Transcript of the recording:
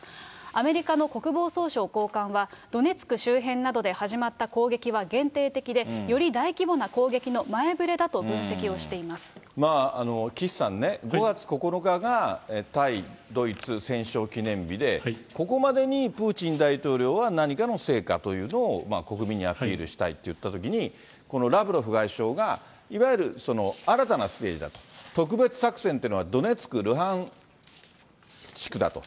アメリカの国防総省高官はドネツク周辺などで始まった攻撃は限定的で、より大規模な攻撃の前岸さんね、５月９日が対ドイツ戦勝記念日で、ここまでにプーチン大統領は何かの成果というのを、国民にアピールしたいっていったときに、このラブロフ外相が、いわゆる新たなステージだと。特別作戦というのはドネツク、ルハンシクだと。